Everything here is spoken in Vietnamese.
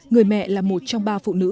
người mẹ là một trong ba phụ nữ